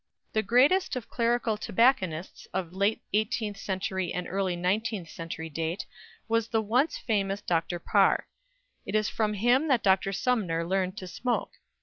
The greatest of clerical "tobacconists" of late eighteenth century and early nineteenth century date was the once famous Dr. Parr. It was from him that Dr. Sumner learned to smoke.